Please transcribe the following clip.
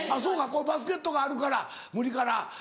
このバスケットがあるから無理から。